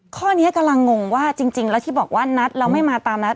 ข้อนี้กำลังงงว่าจริงแล้วที่บอกว่านัดแล้วไม่มาตามนัด